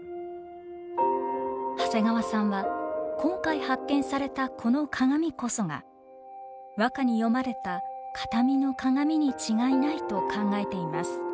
長谷川さんは今回発見されたこの鏡こそが和歌に詠まれた「形見の鏡」に違いないと考えています。